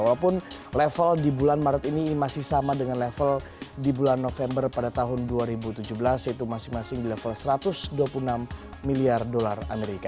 walaupun level di bulan maret ini masih sama dengan level di bulan november pada tahun dua ribu tujuh belas yaitu masing masing di level satu ratus dua puluh enam miliar dolar amerika